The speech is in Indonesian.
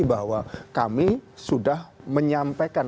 bahwa kami sudah menyampaikan